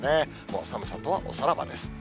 もう寒さとはおさらばです。